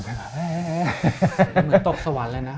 เหมือนตกสวรรค์เลยนะ